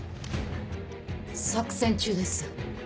作戦中です。